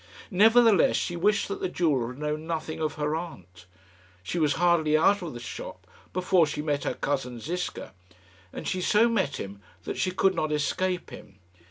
Nevertheless she wished that the jeweller had known nothing of her aunt. She was hardly out of the shop before she met her cousin Ziska, and she so met him that she could not escape him.